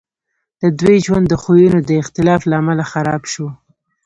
د دوی ژوند د خویونو د اختلاف له امله خراب شو